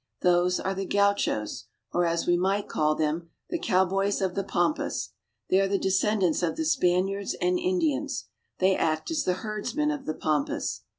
Those are the gauchos, or, as we might call them, the cowboys of the pampas. They are the descendants of the Spaniards and Indians. They act as the herdsmen of the pampas.